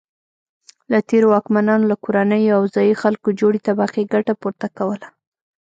له تېرو واکمنانو له کورنیو او ځايي خلکو جوړې طبقې ګټه پورته کوله.